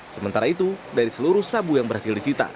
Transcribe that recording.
sementara itu dari seluruh sabu yang berhasil disita